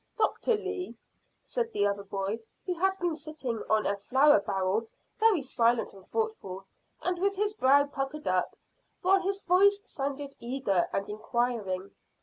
"Doctor Lee," said the other boy, who had been sitting on a flour barrel very silent and thoughtful and with his brow puckered up, while his voice sounded eager and inquiring.